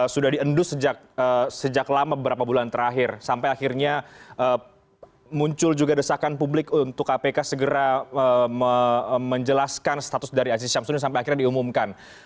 sudah diendus sejak lama beberapa bulan terakhir sampai akhirnya muncul juga desakan publik untuk kpk segera menjelaskan status dari aziz syamsuddin sampai akhirnya diumumkan